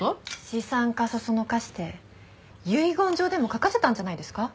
資産家そそのかして遺言状でも書かせたんじゃないですか？